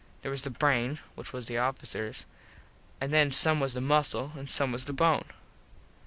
There was the brain, which was the officers, an then some was the muscle an some was the bone.